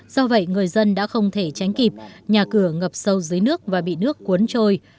do vậy người dân đã không thể tránh kịp nhà cửa ngập sâu dưới nước và bị nước cuốn trôi